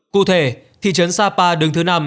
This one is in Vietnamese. cụ thể thị trấn sapa đứng thứ năm